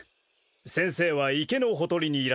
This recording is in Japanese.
先生は池のほとりにいらっしゃいます。